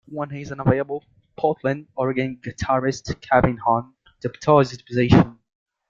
When he is unavailable, Portland, Oregon guitarist Kevin Hahn deputizes the position.